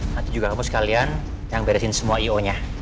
nanti juga kamu sekalian yang beresin semua io nya